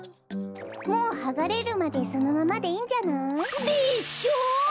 もうはがれるまでそのままでいいんじゃない？でしょ？